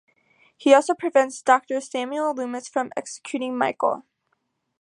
He also prevents Doctor Samuel Loomis from executing Michael.